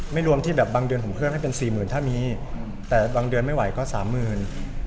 รวมที่แบบบางเดือนผมเพิ่มให้เป็นสี่หมื่นถ้ามีแต่บางเดือนไม่ไหวก็สามหมื่น